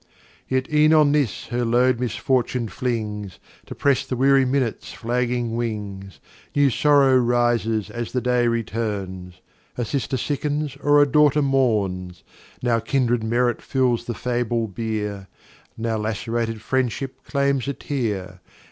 Yet ev'n on this her Load Misfortune flings, To press the weary Minutes flagging Wings: New Sorrow rises as the Day returns, A Sister sickens, or a Daughter mourns. Now Kindred Merit fills the fable Bier, Now lacerated Friendship claims a Tear.